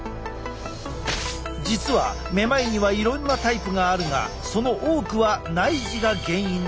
実はめまいにはいろいろなタイプがあるがその多くは内耳が原因なのだ！